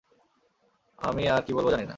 আমি আর কি বলব জানি না।